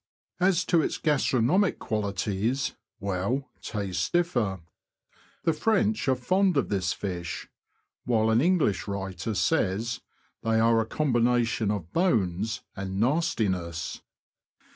As to its gastronomic qualities — well, tastes differ. The French are fond of this fish, while an English writer says " they are a combination of bones and nastiness."